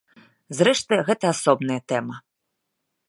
Зрэшты, гэта асобная тэма.